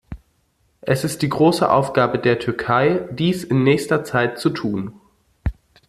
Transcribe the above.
Es ist die große Aufgabe der Türkei, dies in der nächsten Zeit zu tun.